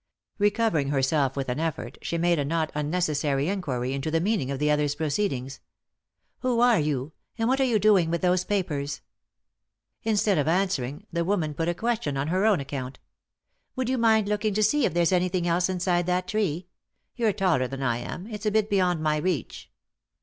Recovering herself with an effort, she made a not unnecessary in quiry into the meaning of the other's proceedings. " Who are you ? And what are you doing with those papers ?" Instead of answering, the woman put a question on her own account. " Would you mind looking to see if there's anything else inside that tree ? You're taller than I am ; it's a bit beyond my reach."